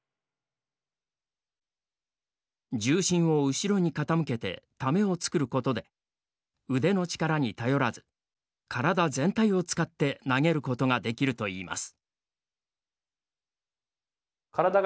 重心を後ろに傾けてタメをつくることで腕の力に頼らず体全体を使って投げることができるといいます。